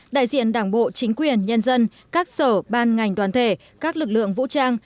đại diện đảng bộ chính quyền nhân dân các sở ban ngành đoàn thể các lực lượng vũ trang